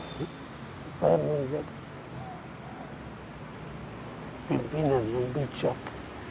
saya menjadi pimpinan yang bijak